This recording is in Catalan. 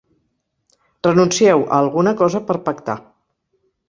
Renuncieu a alguna cosa per pactar.